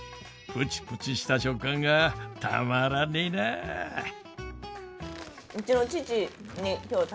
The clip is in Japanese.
ぷちぷちした食感がたまらねえなあ。